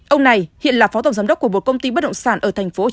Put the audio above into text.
ông này hiện là phó tổng giám đốc của một công ty bất động sản ở tp hcm